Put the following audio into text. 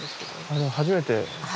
初めて。